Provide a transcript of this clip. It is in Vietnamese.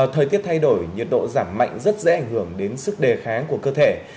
thời tiết thay đổi nhiệt độ giảm mạnh rất dễ ảnh hưởng đến sức đề kháng của cơ thể